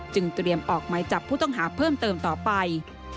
เตรียมออกหมายจับผู้ต้องหาเพิ่มเติมต่อไป